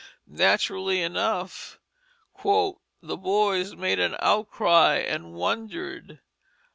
Naturally enough "the boys made an outcry and wondered."